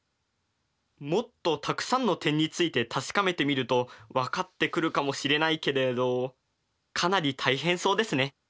もっとたくさんの点について確かめてみると分かってくるかもしれないけれどかなり大変そうですね。